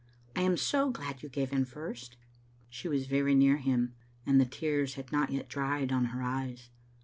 I am so glad you gave in first." She was very near him, and the tears had not yet dried on her eyes.